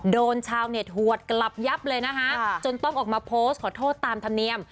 โดนชาวเน็ตหวดกลับยับเลยนะคะจนต้องออกมาโพสต์ขอโทษตามธรรมเนียม